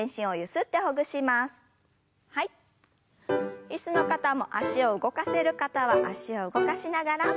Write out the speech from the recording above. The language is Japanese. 椅子の方も脚を動かせる方は脚を動かしながら。